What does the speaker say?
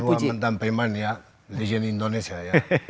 dia sudah mendampingkan ya legend indonesia ya